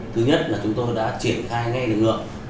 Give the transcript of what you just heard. thứ nhất là chúng tôi đã triển khai ngay lực lượng